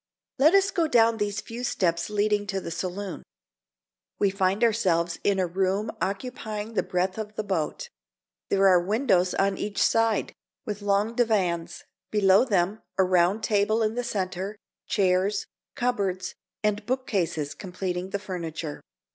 Let us go down these few steps leading to the saloon. We find ourselves in a room occupying the breadth of the boat; there are windows on each side, with long divans, below them, a round table in the centre, chairs, cupboards, and book cases completing the furniture.